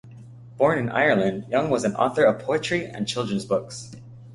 Born in Ireland, Young was an author of poetry and children's books.